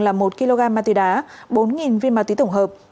là một kg ma túy đá bốn viên ma túy tổng hợp